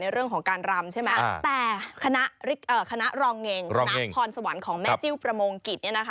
ในเรื่องของการรำใช่ไหมแต่คณะรองเงงคณะพรสวรค์ของแม่จิ้วประมงกิต